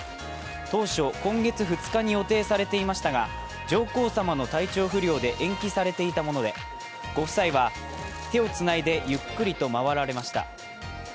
当初、今月２日に予定されていましたが、上皇さまの体調不良で延期されていたもので、ご夫妻は手をつないでゆっくりと回られました。